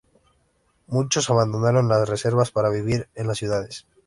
Muchos abandonaron las reservas para vivir en las ciudades.